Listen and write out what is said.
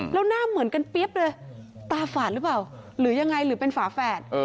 แล้วหน้าเหมือนกันเปี๊ยบเลยตาฝาดหรือเปล่าหรือยังไงหรือเป็นฝาแฝด